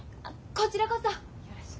こちらこそよろしく。